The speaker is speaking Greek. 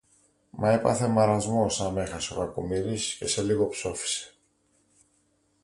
Μα έπαθε μαρασμό σα μ' έχασε, ο κακομοίρης, και σε λίγο ψόφησε.